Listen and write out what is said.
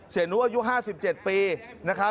เสียนุอายุ๕๗ปี